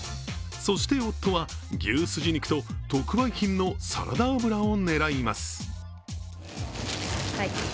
そして、夫は、牛スジ肉と特売品のサラダ油を狙います。